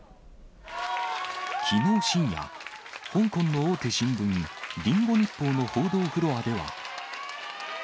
きのう深夜、香港の大手新聞、リンゴ日報の報道フロアでは。